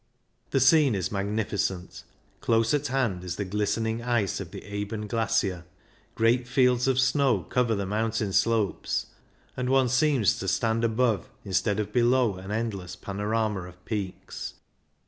The scene is magni ficent Close at hand is the glistening ice of the Eben glacier; great fields of snow cover the mountain slopes ; and one seems to stand above instead of below an endless panorama of peaks.